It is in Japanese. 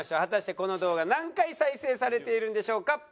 果たしてこの動画何回再生されているんでしょうか？